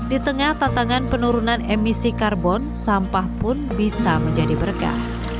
di tengah tantangan penurunan emisi karbon sampah pun bisa menjadi berkah